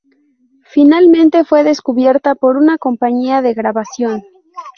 Finalmente, fue descubierta por una compañía de grabación.